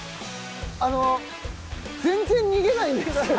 あの全然逃げないんですけど。